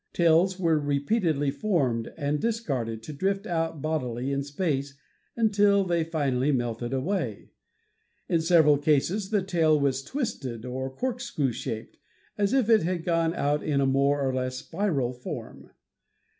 Tails were repeatedly formed and discarded to drift out bodily in space until they finally melted away. In several cases xiv INTRODUCTION the tail was twisted or corkscrew shaped, as if it had gone out in a more or less spiral form.